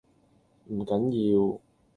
唔緊要